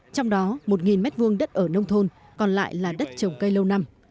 trong đó một m hai đất ở nông thôn còn lại là đất trồng cây lâu năm